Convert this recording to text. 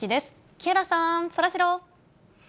木原さん、そらジロー。